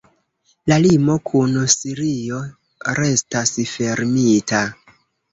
La limo kun Sirio restas fermita.